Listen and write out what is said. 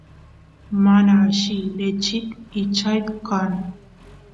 mana alli lechit ichay kan